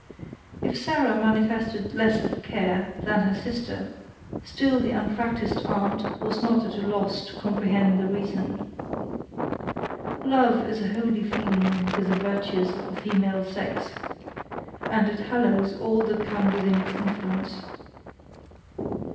If Sarah manifested less of care than her sister, still the unpracticed aunt was not at a loss to comprehend the reason. Love is a holy feeling with the virtuous of the female sex, and it hallows all that come within its influence.